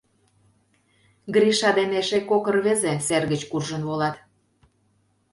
Гриша да эше кок рвезе сер гыч куржын волат.